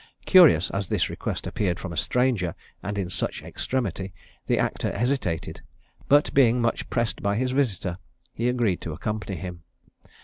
Curious as this request appeared from a stranger, and in such extremity, the actor hesitated; but being much pressed by his visitor, he agreed to accompany him.